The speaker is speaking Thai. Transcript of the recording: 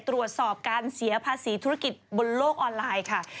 ตรวจสอบการเสียภาษีธุรกิจบนโลกออนไลน์ค่ะ